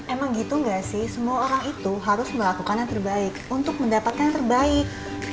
emang gitu gak sih semua orang itu harus melakukan yang terbaik untuk mendapatkan yang terbaik